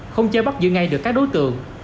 không che bắp giữ ngay được các đối tượng